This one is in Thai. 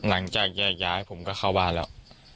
หลังจากแยกย้ายผมก็เข้าบ้านแล้ว